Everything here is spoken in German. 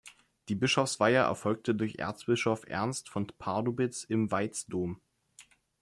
Die Bischofsweihe erfolgte durch Erzbischof Ernst von Pardubitz im Veitsdom.